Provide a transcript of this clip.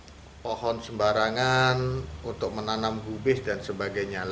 untuk pohon sembarangan untuk menanam bubis dan sebagainya